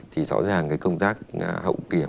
thì rõ ràng cái công tác hậu kiệp